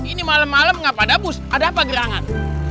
ini malam malam ada apa gerangan